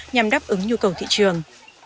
nhằm đáp ứng nhu cầu thị trường